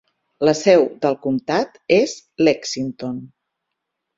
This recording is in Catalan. La seu del comtat és Lexington.